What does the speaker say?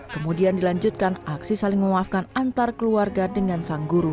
kemudian dilanjutkan aksi saling memaafkan antar keluarga dengan sang guru